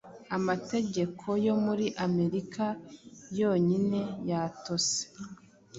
Amategeko yo muri Amerika yonyine yatose